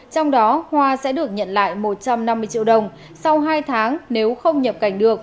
trong đó hoa sẽ được nhận lại một trăm năm mươi triệu đồng sau hai tháng nếu không nhập cảnh được